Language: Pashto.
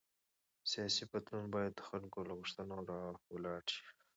سیاسي بدلون باید د خلکو له غوښتنو راولاړ شي